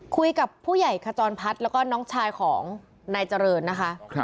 คุยกับผู้ใหญ่ขจรพัฒน์แล้วก็น้องชายของนายเจริญนะคะ